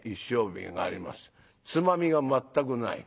つまみが全くない」。